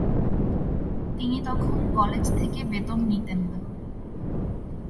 তিনি তখন কলেজ থেকে বেতন নিতেন না।